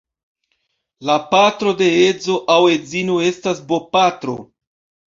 La patro de edzo aŭ edzino estas bopatro.